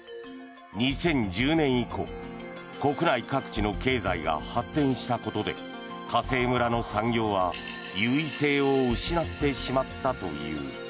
２０１０年以降国内各地の経済が発展したことで華西村の産業は優位性を失ってしまったという。